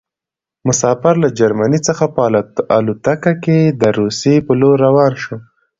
مسافر له جرمني څخه په الوتکه کې د روسيې په لور روان شو.